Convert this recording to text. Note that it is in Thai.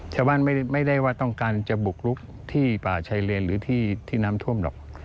ชาวบ้านไม่ได้ว่าต้องการจะบุกลุกที่ป่าชายเลนหรือที่น้ำท่วมหรอก